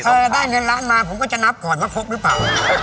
พอได้เงินล้านมาผมก็จะนับก่อนว่าครบหรือเปล่า